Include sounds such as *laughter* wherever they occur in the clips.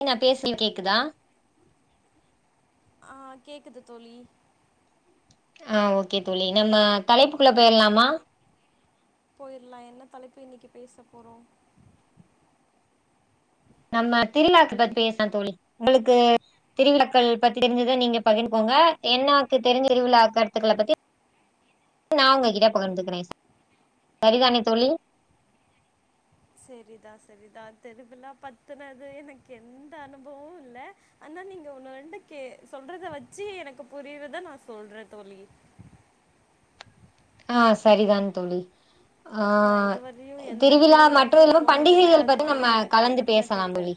*unintelligible* கேக்குதா ஆஹ் கேக்குது தோழி ஆஹ் ஓகே தோழி நம்ம தலைப்புக்குள்ள போயிரலாமா போயிரலாம் என்ன தலைப்பு இன்னைக்கு பேச போறோம் நம்ம திருவிழாக்கு பத்தி பேசான் தோழி உங்களுக்கு திருவிழாக்கள் பத்தி தெரிஞ்சுதான் நீங்க பகிர்ந்துக்கோங்க என்னக்கு தெரிஞ்ச திருவிழா கருத்துக்களை பத்தி நான் உங்ககிட்ட பகிர்ந்துக்கிறேன் சரிதானே தோழி சரிதா சரிதா தெருபலா பத்துனது எனக்கு எந்த அனுபவமும் இல்ல ஆனா நீங்க உன்னு வண்டு கே சொல்றத வச்சு எனக்கு புரியதுதான் நான் சொல்றேன் தோழி ஆ சரிதான் தோழி நா ஆஹ் இதுவரையு எந்த திருவிழா மற்ற திருவிழாக்கு இல்ல போனதில்ல பண்டிகைகள் பத்தி அதனால நம்ம எனக்கு அத கலந்து பத்தின பேசலாம் தெரில தோழி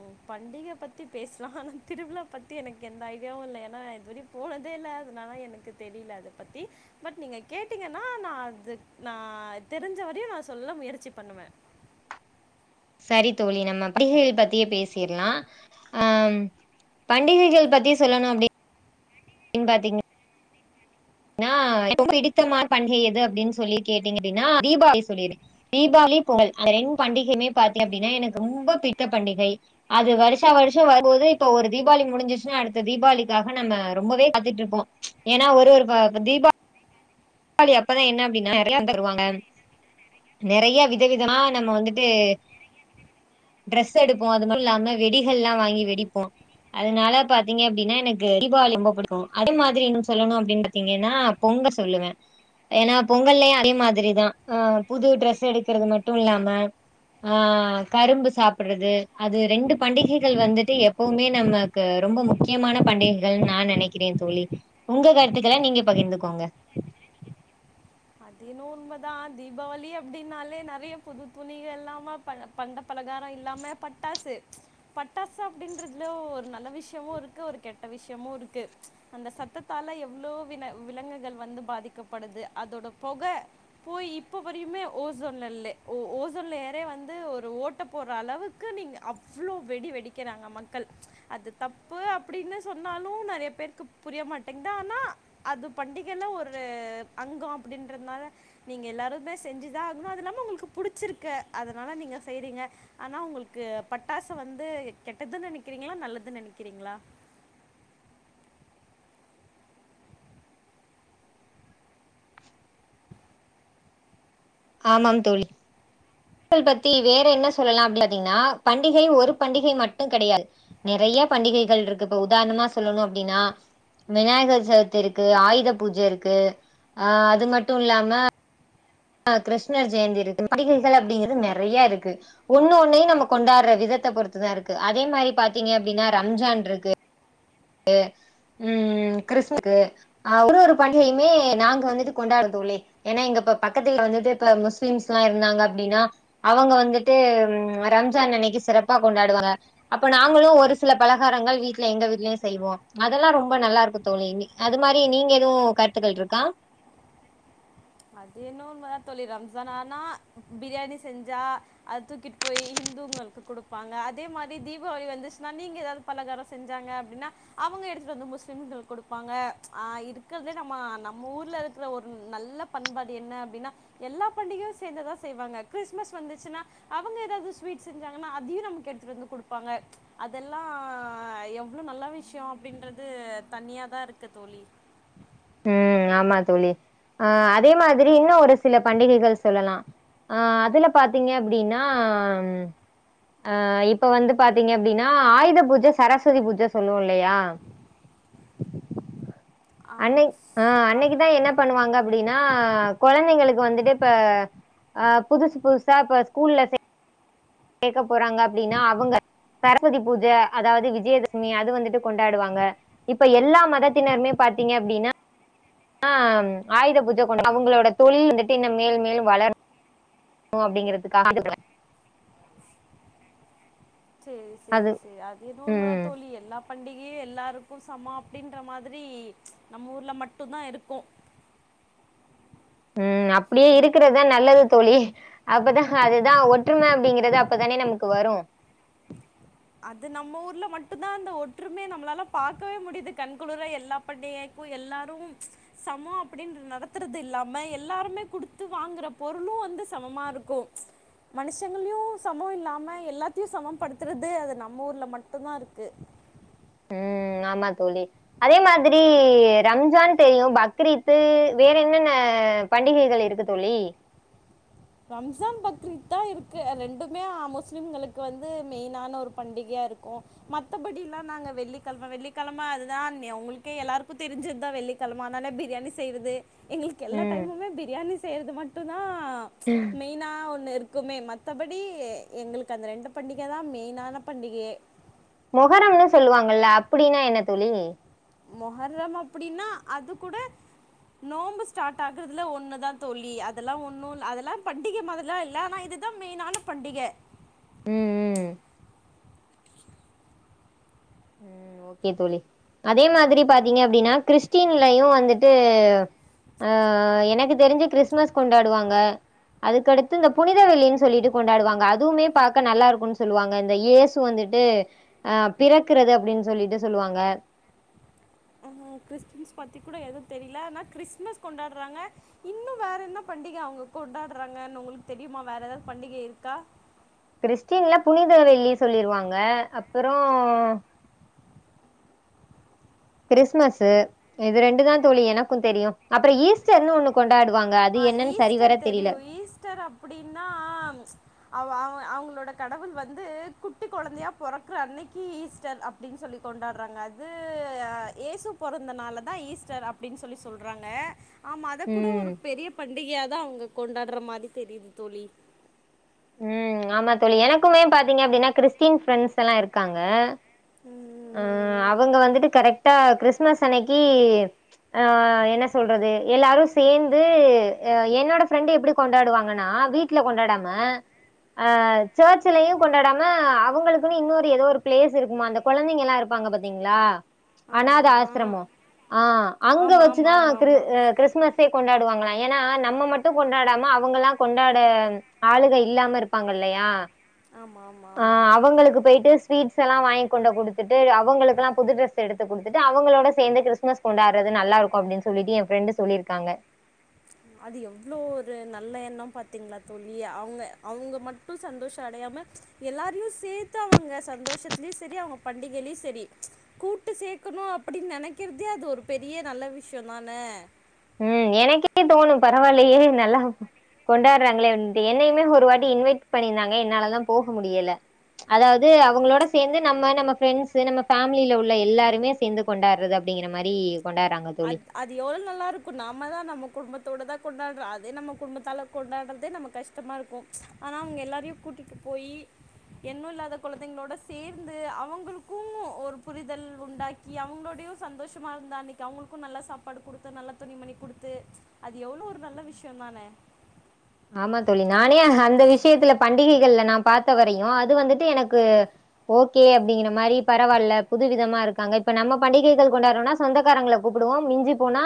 உம் பண்டிகை பத்தி பேசலாம் ஆனா திருவிழா பத்தி எனக்கு எந்த ஐடியாவும் இல்லை ஏன்னான் இதுவரை போனதே இல்ல அதனாலான் எனக்கு தெரியல அதை பத்தி பட் நீங்க கேட்டீங்கன்னா நான் அது நான் தெரிஞ்ச வரையும் நான் சொல்ல முயற்சி பண்ணுவேன் சரி தோழி நம்ம பண்டிகைகள் பத்தியே பேசிட்லா, அ பண்டிகைகள் பத்தி சொல்லணு அப்டி ன்னு பாத்தீங்க னா இப்போ பிடித்தமான பண்டிகை எது அப்டின்னு சொல்லி கேட்டீங்க அப்டின்னா தீபாவளி சொல்லிடுவே, தீபாவளி பொங்கல் அந்த ரெண்டு பண்டிகையுமே பாத்தீங்க அப்டினா எனக்கு தீபாவளி ரொம்ப பிடித்த பண்டிகை அது வர்ஷா வருஷம்வரும்போது இப்போ ஒரு தீபாவளி முடிஞ்சிடுச்சுனாஅடுத்த தீபாவளிக்காக நம்ம ரொம்பவே காத்துட்டு இருப்போ ஏன்னா ஒரு ஒரு வ அப்ப தீபா வளி அப்பலா என்ன அப்டின்னா நெறைய தந்துருவாங்க நெறையா வித விதமா நம்ம வந்துட்டு டிரஸ் எடுப்போ அது மட்டு இல்லாம வெடிகள்லா வாங்கி வெடிப்போ அதனால பாத்திங்க அப்டினா எனக்கு தீபாவளி ரொம்ப புடிக்கு அது மாதிரி இன்னொனு சொல்லணு அப்டின் பாத்திங்கனா பொங்கல் சொல்லுவ ஏனா பொங்கல்லயு அதே மாதிரிதா புது டிரஸ் எடுக்கறது மட்டு இல்லாம ஆ கரும்பு சாப்படறது அது ரெண்டு பண்டிகைகள் வந்துட்டு எப்பவுமே நமக்கு ரொம்ப முக்யமான பண்டிகைகள்ன் நா நெனைக்கிறே தோழி உங்க கருத்துக்கள நீங்க பகிர்ந்துகோங்க அதேனோ உண்மதா தீபாவளி அப்டின்னாலே நெறைய புது துணிக இல்லாம ப பண்ட பலகார இல்லாம பட்டாசு பட்டாசு அப்டின்றதிலு ஒரு நல்ல விஷயமு இருக்கு ஒரு கெட்ட விஷயமு இருக்கு அந்த சத்தத்தால எவ்ளோ விலங்குகள் வந்து பாதிக்கப்படுது அதோட பொக போய் இப்போ வரையுமே ஓசோன்ல லை ஓ ஓசோன்ல லேயர் யே வந்து ஒரு ஓட்ட போட்ற அளவுக்கு நீங்க அவ்வளோ வெடி வெடிகறாங்க மக்கள் அது தப்பு அப்டின்னு சொன்னாலு நெறைய பேருக்கு புரிய மாட்டேங்கதானா அது பண்டிகையில ஒரு அங்கொ அப்டின்றதுனால நீங்க எல்லாருமே செஞ்சுதா ஆகுணு அது நம்மங்களுக்கு புடிச்சிருக்கு அதனால நீங்க செய்றீங்க ஆனா உங்களுக்கு பட்டாசு வந்து கெட்டதுன்னு நினக்கிறீங்களா நல்லதுன்னு நெனக்கிறீங்களா ஆமாம் தோழி பத்தி வேற என்ன சொல்லலான் பாத்திங்னா பண்டிகை ஒரு பண்டிகை மட்டு கெடையாது நெறையா பண்டிகைகள்ருக்கு இப்ப உதாரணமா சொல்லணு அப்டின்னா விநாயகர் சதுர்த்தி இருக்கு ஆயுத பூஜ இருக்கு ஆ அது மட்டு இல்லாம ஆ கிருஷ்ணர் ஜெயந்தி இருக்கு பண்டிகைகள் அப்படிங்றது நெறையா இருக்கு ஒன்னு ஒண்ணையு நம்ம கொண்டாடுற விதத்த பொறுத்துதா இருக்கு அதே மாரி பாத்திங்க அப்டினா ரம்ஜான்ருக்கு கு உம் கிறிஸ்க்கு ஆ ஒரு ஒரு பண்டிகையுமே நாங்க வந்துட்டு கொண்டாடுதோழி ஏன்னா இங்க இப்ப பக்கத்து வீ வந்துட்டு இப்ப முஸ்லீம்ஸ்ல்லா இருந்தாங்க அப்டின்னா அவங்க வந்துட்டு ரம்ஜான் அன்னைக்கு சிறப்பா கொண்டாடுவங்க அப்போ நாங்கலு ஒரு சில பலாகாரங்கள் வீட்லே எங்க வீட்லே செய்வோ அதெல்லா ரொம்ப நல்லா இருக்கு தோழி அது மாரி நீங்க எதுவு கருத்துக்கள் இருக்கா அதுயென்வோ உண்ம தா தொழி ரம்ஜான் ஆனா பிரியாணி செஞ்சா அது தூக்கிட்டு போய் ஹிந்துங்ளுக்கு குடுப்பாங்க அதே மாரி தீபாவளி வந்துசுன்னா நீங்க எதாது பலகாரோ செஞ்சாங்க அப்டினா அவுங்க எடுத்துட்டு வந்து முஸ்லிம்ங்ளுக்கு குடுப்பாங்க ஆ இருக்றதுலே நம்மவூர்ல இருக்க நல்ல பண்பாடு என்ன அப்டினா எல்லா பண்டிகையு சேந்துதா செய்வாங்க கிறிஸ்மஸ் வந்துச்சுனா அவங்க ஏதாது ஸ்வீட் செஞ்சாங்கனா அதையு நமக்கு எடுத்துட்டு வந்து குடுப்பாங்க அதெல்லா எவ்ளோ நல்ல விஷய அப்டின்றது தனியாதா இருக்க தோழி ம் ஆமா தோழி ஆ அதே மாதிரி இன்னு ஒரு சில பண்டிகைகள் சொல்லலா ஆ அதுல பாத்திங்க அப்டினா ஆ இப்ப வந்து பாத்திங்க அப்டினா ஆயுத பூஜ சரஸ்வதி பூஜ சொல்லுவோ இல்லையா ஆ, அன்னை ஆ அன்னைக்குதா என்ன பண்ணுவாங்க அப்டினா கொழந்தைங்களுக்கு வந்துட்டு இப்ப ஆ புதுசு புதுசா இப்ப ஸ்கூல்ல சேக்க போறாங்க அப்டின்னா அவங்க சரஸ்வதி பூஜை அதாது விஜயதசமி அது வந்துட்டு கொண்டாடுவாங்க இப்ப எல்லா மதத்தினருமே பாத்திங்க அப்டினா ஆ ஆயுத பூஜ கொண் அவங்களோட தொழில் வந்துட்டு இன்னு மேலு மேலு வளர் கு அப்டிங்கறதுக்காக *unintelligible* சேரி சேரி சேரி அது என்னவோ உண்மதா ம் தோழி எல்லா பண்டிகையே எல்லாருக்கு சம அப்டின்ற மாதிரி நம்ம ஊர்ல மட்டுந்தா இருக்கு உம் அப்டியே இருக்கிறதுதா நல்லது தோழி அப்பதா அதுதா ஒற்றும அப்டிங்கறது அப்பதானே நமக்கு வரு அது நம்ம ஊர்ல மட்டுந்தா அந்த ஒற்றுமை நம்மளாலே பாக்கவே முடிது கண் குளுர எல்லா பண்டிகைக்கு எல்லாரும் சம அப்படின் நடத்துறது இல்லாம எல்லாருமே குடுத்து வாங்குற பொருளு வந்து சமமாருக்கு மனுஷங்களியு சம இல்லாம எல்லாத்தையு சமன்படுத்தறது நம்ம ஊர்ல மட்டுந்தா இருக்கு உம் ஆமா தோழி அதே மாதிரி ரம்ஜான் தெரியு பக்ரீத்து வேற என்னென்ன பண்டிகைகள் இருக்கு தோழி ரம்ஜான் பக்ரித் தா இருக்கு ரெண்டுமே முஸ்லிம்களுக்கு வந்து மெயினான ஒரு பண்டிகையா இருக்கு மத்தபடி எல்லா நாங்க வெள்ளிக்கிழம வெள்ளிக்கிழம அதுதா ஒங்களுகே எல்லாருக்கு தெரிஞ்சதுதா வெள்ளிக்கிழம அதனால பிரியாணி செய்யறது எங்களுக்கு எல்லா ம் டைமுமே பிரியாணி செய்யறது அது மட்டுதா மெயினா ஒண்ணு இரு க்குமே மத்தபடி எங்களுக்கு அந்த ரெண்டு பண்டிக தா மெயினான பண்டிகையே மொகரம்னு சொல்லுவாங்கல்ல அப்பிடின்னா என்ன தோழி மொகரம் அப்டின்னா அது கூட நோன்ம்பு ஸ்டார்ட் ஆகுறதுல ஒண்ணுதா தொழி அதெல்லா ஒண்ணுல் அதெல்லா பண்டிகை மாரியல்லா இல்லா ஆனா இதுதா மெயினான பண்டிக ம் ம் ம் ஓகே தோழி அதே மாரி பாத்திங்க அப்டினா கிறிஸ்டின்லையு வந்துட்டு அ எனக்கு தெரிஞ்சு கிறிஸ்மஸ் கொண்டாடுவாங்க அதுக்கடுத்து இந்த புனித வெள்ளின் சொல்லிட்டு கொண்டாடுவாங்க அதுவுமே பாக்க நல்லாருக்குன்னு சொல்லுவாங்க இந்த இயேசு வந்துட்டு அ பிற க்கறது அப்டின் சொல்லிட்டு சொல்லுவாங்க ஆ கிறிஸ்டின்ஸ் பத்தி கூட எது தெரில ஆனா கிறிஸ்மஸ் கொண்டாடுறாங்க இன்னு வேற என்ன பண்டிக அவங்க கொண்டாடுறாங்கனு உங்களுக்கு தெரியுமா வேற ஏதாது பண்டிகை இருக்கா கிறிஸ்டின்ல புனித வெள்ளி சொல்லிருவாங்க அப்றோ கிறிஸ்துமஸ் இது ரெண்டு தா தோழி எனக்கு தெரியும் அப்றோ ஈஸ்டர்னு ஒண்ணு கொண் ஆ ஈஸ்டர் தெரியு ஈஸ்டர் அப்டின்னா அவ அவ அவங்களோட கடவுள் வந்து குட்டி கொழந்தையா பொறக்குற அன்னைக்கி ஈஸ்டர் அப்டின்னு சொல்லி கொண்டாட்றாங்க அது அ ஏசு பொறந்தனாலதா ஈஸ்டர் அப்டின்னு சொல்லி சொல்றாங்க ஆமா அத கூட ம் ஒரு பண்டிகையாதா அவ்ங்க கொண்டாடுற மாரி தெரியுது தோழி ம் ஆமா தோழி எனக்குமே பாத்தீங்க அப்படின்னா கிறிஸ்டின் ஃப்ரெண்ட்ஸ் எல்லா இருக்காங்க ஆ அவங்க வந்துட்டு கரெக்டா கிறிஸ்மஸ் அன்னைக் க்கி ஆ என்ன சொல்றது எல்லாரு சேந்து என்னோட ஃரெண்ட எப்டி கொண்டாடுவாங்கன்னா வீட்டுல கொண்டாடாம ஆ சர்ச்சுலயு கொண்டாடாம அவங்களுக்குன்னு இன்னொரு எதோ ஒரு பிளேஸ் இருக்குமா அந்த குழந்தைங்க எல்லா இருப்பாங்க பாத்தீங்களா ஆமாம் அநாத ஆமாம் ஆசிரமோ ஆஹ் அங்க ஆமா ஆமா வச்சுதா ஆமா கிரு ஆமா அ கிறிஸ்மஸே கொண்டாடுவாங்களா ஏனா நம்ம மட்டு கொண்டாடாம அவங்கல்லா கொண்டாட ஆளுக இல்லாம இருப்பாங்க இல்லையா ஆமா ஆமா ஆமா ஆஹ் அவங்களுக்கு போயிட்டு ஸ்வீட்ஸ் சல்லா வாங் கொண்ட குடுத்துட்டு அவங்களுக்கு எல்லா புது ட்ரெஸ் எடுத்து குடுத்துட்டு அவங்களோட சேந்து கிறிஸ்மஸ் கொண்டாடுறது நல்லா இருக்கு அப்படின்னு சொல்லிட்டு என் ஃப்ரெண்டு சொல்லியிருக்காங்க அது எவ்வளவு ஒரு நல்ல எண்ணம் பாத்தீங்களா தோழி அவங்க அவங்க மட்டு சந்தோஷ அடையாம எல்லாரையு சேத்து அவங்க சந்தோஷத்துலயு சரி அவங்க பண்டிகையிலயு சரி கூட்டு சேக்கணு அப்படின்னு நெனைக்கிறதே அது ஒரு பெரிய நல்ல விஷ்யோ தானே உம் எனக்கே தோணு பரவால்லையே நல்லா கொண்டாடுறாங்களேன்ட்டு என்னையுமே ஒரு வாட்டி இன்வைட் பண்ணியிருந்தாங்க என்னாலதா போக முடியல அதாவது அவங்களோட சேந்து நம்ம நம்ம ஃப்ரெண்ட்ஸு நம்ம ஃபேமிலில உள்ள எல்லாருமே சேந்து கொண்டாடுறது அப்படிங்கிற மாரி கொண்டாடுறாங்க தோழி அத் அது எவ்வளோ நல்லா இருக்கு நம்ம தா நம்ம குடும்பத்தோடு தா கொண்டாடுறோ அதே நம்ம குடும்பத்தாள்ல கொண்டாடுறதே நம்ம கஷ்டமா இருக்கு ஆனா அவங்க எல்லாரையு கூட்டிட்டு போய் என்னு இல்லாத கொழந்தைங்களோட சேந்து அவங்களுக்கு ஒரு புரிதல் உண்டாக்கி அவங்களோடையு சந்தோஷமாக இருந்தா அன்னை அவங்களுக்கு நல்ல சாப்பாடு குடுத்து நல்லா துணி மணி குடுத்து அது எவ்வளோ ஒரு நல்ல விஷ்யோ தானே ஆமா தோழி நானே அந்த விஷயத்துல பண்டிகைகள்ல நா பாத்த வரையு அது வந்துட்டு எனக்கு ஓகே அப்படிங்கிற மாரி பரவாயில்ல புது விதமா இருக்காங்க இப்ப நம்ம பண்டிகைகள் கொண்டாடுறோனா சொந்தக்காரங்கள கூப்பிடுவோ மிஞ்சி போனா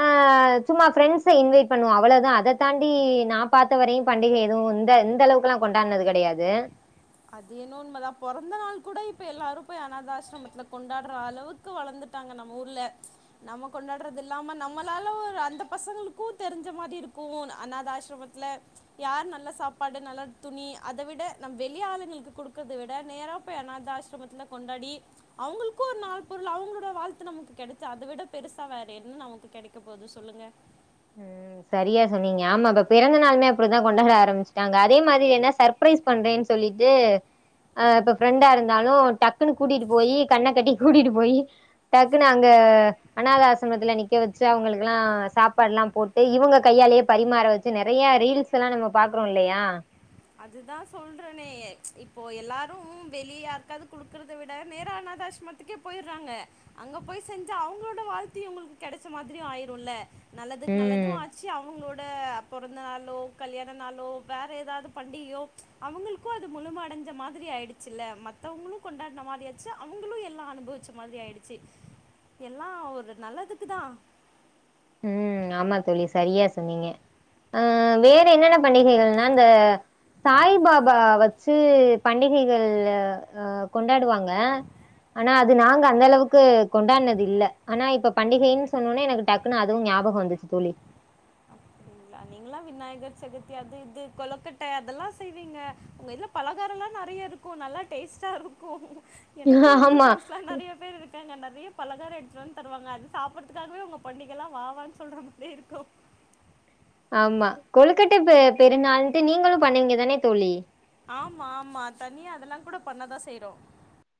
ஆஹ் சும்மா ஃபிரெண்ட்ஸ் இன்வைட் பண்ணுவோ அவ்ளோதா அத தாண்டி நா பாத்த வரையு பண்டிகை எதுவு இந்த இந்த அளவுக்கல்லா கொண்டாடுனது கெடையாது அது என்னமோ உண்மதா பொறந்த நாள் கூட இப்ப எல்லாரு போய் அநாதாசிரமத்துல கொண்டாடுற அளவுக்கு வளர்ந்துட்டாங்க நம்ம ஊர்ல நம்ம கொண்டாடுறது இல்லாம நம்மளால ஒரு அந்த பசங்களுக்கு தெரிஞ்ச மாதிரி இருக்கு அநாத ஆசிரமத்துல யார் நல்ல சாப்பாடு நல்ல துணி அத விட நம்ம வெளிய ஆளு களுக்கு குடுக்கறத விட நேரா போய் அநாத ஆசிரமத்துல கொண்டாடி அவங்களுக்கு ஒரு நாள் பொருள் அவங்களோட வாழ்த்து நமக்கு கிடைச்ச அத விட பெருசா வேற என்ன நமக்கு கெடைக்க போது சொல்லுங்க உஹம் சரியா சொன்னீங்க ஆமா இப்ப பிறந்த நாளுமே அப்புடிதா கொண்டாட ஆரம்பிச்சுட்டாங்க அதே மாதிரி என்ன சர்ப்ரைஸ் பண்றேன் சொல்லிட்டு ஆஹ் இப்ப ஃப்ரெண்டா இருந்தாலு டக்குன்னு கூட்டிட்டு போயி கண்ண கட்டி கூட்டிட்டு போயி டக்குன்னு அங்க அநாதா ஆசிரமத்துல நிக்க வச்சு அவங்களுக்கெல்லா சாப் பாட்ல்லா போட்டு இவங்க கையாலயே பரிமாற வச்சு நெறைய ரீல்ஸ் எல்லா நாம பாக்குறோ இல்லையா அதுதா சொல்றேனே இப்போ எல்லாரு வெளிய யாருக்காவது குடுக்கறத விட நேர அநாதா ஆசமத்துக்கே போயிறாங்க அங்க போயி செஞ்சு அவங்களோட வாழ்த்து உங்களுக்கு கிடைச்ச மாதிரியு ஆயிருல்ல நல்லதுக்கு நல்லது ம் ஆச்சு அவங்களோட ளோட பொறந்த நாளோ கல்யாண நாளோ வேற ஏதாவது பண்டிகையோ அவங்களுக்கு அது முழும அடைஞ்ச மாதிரி ஆயிடுச்சில்ல மத்தவங்களு கொண்டாடுன மாரி ஆச்சு அவங்களு எல்லா அனுபவிச்ச மாரி ஆயிடுச்சு எல்லா ஒரு நல்லதுக்குதா உம் ஆமா தோழி சரியா சொன்னீங்க அஹ் வேற என்னென்ன பண்டிகைகள்னா இந்த சாய் பாபா வச்சு பண்டிகைகள் அஹ் கொண்டாடுவாங்க ஆனா அது நாங்க அந்த அளவுக்கு கொண்டாடுனது இல்ல ஆனா இப்ப பண்டிகைன்னு சொன்னோனே எனக்கு டக் குனு அதுவு ஞாபகோ வந்துச்சு தோழி நீங்களா விநாயகர் சதுர்த்தி அது இது கொலக்கட்ட அதெல்லா செய்வீங்க உங்க இதுல பலகாரம்லா நெறைய இருக்கு நல்லா டேஸ்ட்டா இருக்கு எனக்கு இந்து ஆமா ஃபிரெண்ட்ஸ்லா நெறைய பேர் இருக்காங்க நெறைய பலகாரம எடுத்துட்டுவந்து தருவாங்க அது சாப்பிடறதுக்காகவே உங்க பண்டிகைல்லா வா வான் சொல்ற மாரியே இருக்கு ஆமா கொழுக்கட்ட பெருநாள்ன்ட்டு நீங்களு பண்ணுவீங்க தானே தோழி ஆமா ஆமா தனியா அதெல்லா கூட பண்ணதா செய்யறோ